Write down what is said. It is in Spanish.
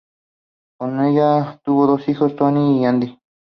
Con ella tuvo dos hijos: Tony y Andy.